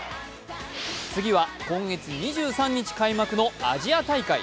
次は今月２３日開幕のアジア大会。